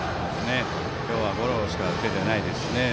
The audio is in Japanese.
今日はゴロしか打ててないですしね。